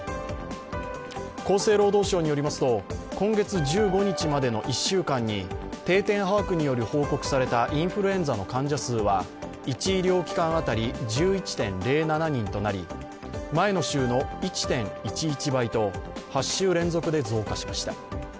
厚生労働省によりますと、今月１５日までの１週間に定点把握により報告されたインフルエンザの患者数は１医療機関当たり１１．０７人となり前の週の１．１１倍と、８週連続で増加しました。